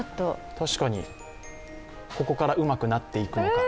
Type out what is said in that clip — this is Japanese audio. ここからうまくなっていくのか。